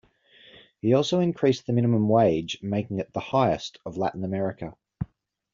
He also increased the minimum wage, making it the highest of Latin America.